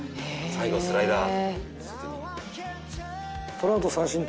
最後スライダー。